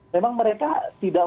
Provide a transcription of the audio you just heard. memang mereka tidak